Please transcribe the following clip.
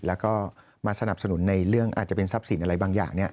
แล้วก็มาสนับสนุนในเรื่องอาจจะเป็นทรัพย์สินอะไรบางอย่าง